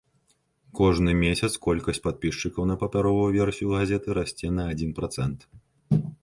Кожны месяц колькасць падпісчыкаў на папяровую версію газеты расце на адзін працэнт.